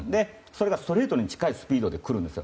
それがストレートに近いスピードでくるんです。